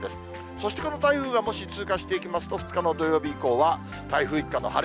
そしてこの台風がもし、通過していきますと、２日の土曜日以降は、台風一過の晴れ。